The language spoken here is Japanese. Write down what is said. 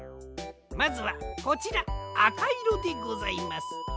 まずはこちらあかいろでございます。